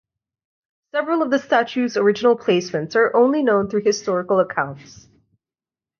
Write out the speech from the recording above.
Several of the statues' original placements are only known through historical accounts.